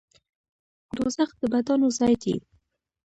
دوزخ د بدانو ځای دی